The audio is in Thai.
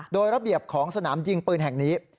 โดยระเบียบของสนามยิงปืนแห่งนี้